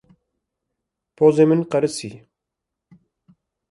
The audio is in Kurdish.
Pozê min qerisî.